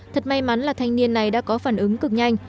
thật may mắn là thanh niên này đã có phản ứng cực nhanh